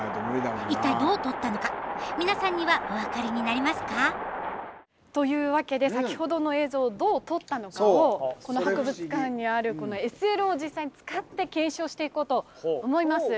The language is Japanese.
皆さんにはお分かりになりますか？というわけで先ほどの映像をどう撮ったのかをこの博物館にあるこのＳＬを実際に使って検証していこうと思います。